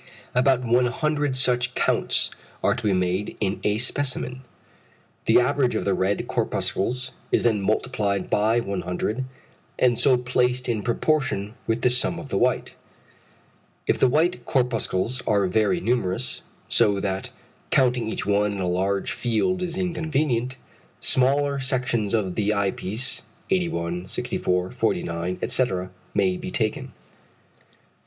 About 100 such counts are to be made in a specimen. The average of the red corpuscles is then multiplied by 100 and so placed in proportion with the sum of the white. If the white corpuscles are very numerous, so that counting each one in a large field is inconvenient, smaller sections of the eye piece 81, 64, 49, etc. may be taken.